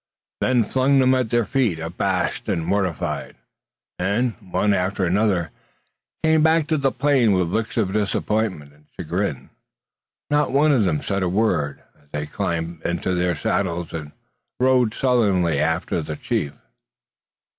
They flung them at their feet, abashed and mortified; and, one after another, came back to the plain with looks of disappointment and chagrin. Not one of them said a word, as they climbed into their saddles, and rode sullenly after the chief.